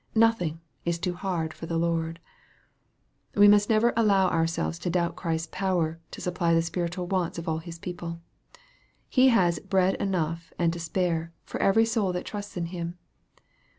Nothing is too hard for the Lord. We must never allow ourselves to doubt Christ's power to supply the spiritual wants of all His people. He has " bread enough and to spare" for every soul that trusts in Him.